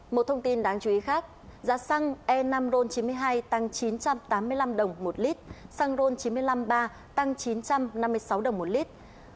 một thông tin đáng chú ý khác giá xăng e năm ron chín mươi hai tăng chín trăm tám mươi năm đồng một lít xăng ron chín trăm năm mươi ba tăng chín trăm năm mươi sáu đồng một lít